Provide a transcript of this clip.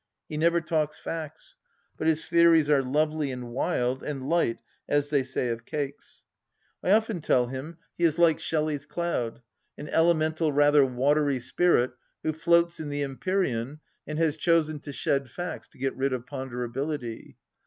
He never talks facts. But his theories are lovely and wild, and light, as they say of cakes. I often tell him he is like 52 THE LAST DITCH Shelley's Cloud, an elemental, rather watery spirit who floats in the empyrean and has chosen to shed facts to get rid of ponderability.